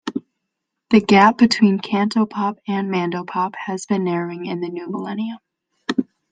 The gap between cantopop and mandopop has been narrowing in the new millennium.